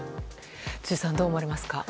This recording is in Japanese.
辻さん、どう思われますか？